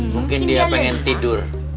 mungkin dia pengen tidur